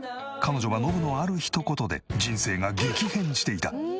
彼女はノブのある一言で人生が激変していた。